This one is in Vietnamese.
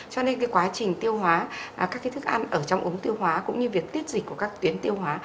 cho nên cái quá trình tiêu hóa các cái thức ăn ở trong ống tiêu hóa cũng như việc tiết dịch của các tuyến tiêu hóa